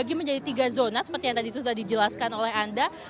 jadi menjadi tiga zona seperti yang tadi sudah dijelaskan oleh anda